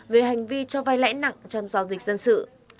về hành vi cho vay lãi nặng trong giao dịch dân sự